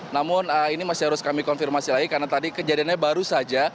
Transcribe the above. namun ini masih harus kami konfirmasi lagi karena tadi kejadiannya baru saja